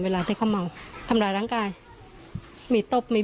เวลาเข้าเมาเขาคิดทำลายร่างกายพี่